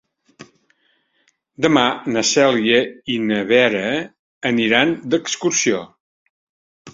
Demà na Cèlia i na Vera aniran d'excursió.